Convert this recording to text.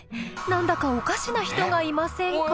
何だかおかしな人がいませんか？